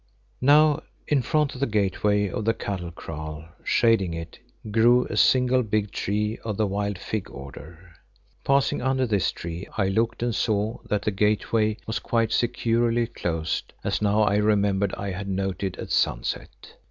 Now in front of the gateway of the cattle kraal, shading it, grew a single big tree of the wild fig order. Passing under this tree I looked and saw that the gateway was quite securely closed, as now I remembered I had noted at sunset.